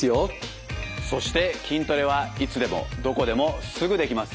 そして筋トレはいつでもどこでもすぐできます。